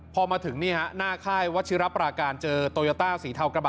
พอมาถึงนี่ฮะหน้าค่ายวัชิรปราการเจอโตโยต้าสีเทากระบะ